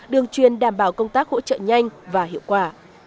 đường chuyên đảm bảo công tác hỗ trợ nhanh và hiệu quả